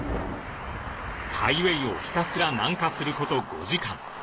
ハイウェイをひたすら南下すること５時間。